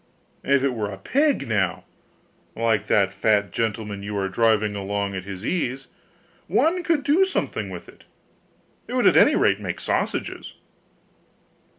If it were a pig now like that fat gentleman you are driving along at his ease one could do something with it; it would at any rate make sausages.